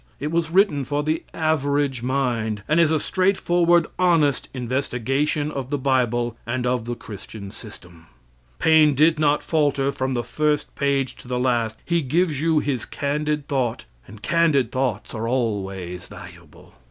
It was written for the average mind, and is a straightforward, honest investigation of the Bible, and of the Christian System. Paine did not falter from the first page to the last. He gives you his candid thought, and candid thoughts are always valuable.